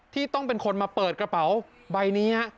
ที่ต้องเป็นคนมาเปิดกระเป๋าใบนี้